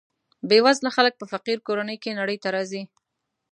بې وزله خلک په فقیر کورنیو کې نړۍ ته راځي.